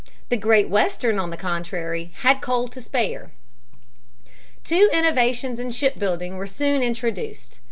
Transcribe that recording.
The Great Western, on the contrary, had coal to spare. Two innovations in shipbuilding were soon introduced.